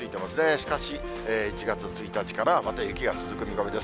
しかし、１月１日から、また雪が続く見込みです。